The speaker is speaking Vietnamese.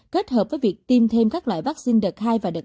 kết hợp với việc tiêm thêm các loại vaccine đợt hai và đợt hai